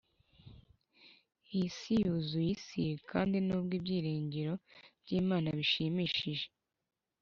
isi yuzuye isi; kandi nubwo ibyiringiro byimana bishimishije